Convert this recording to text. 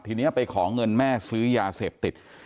ทีนี้ไปขอเงินแม่ซื้อยาเสพติด